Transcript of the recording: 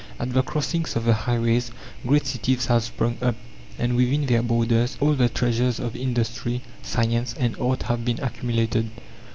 At the crossings of the highways great cities have sprung up, and within their borders all the treasures of industry, science, and art have been accumulated.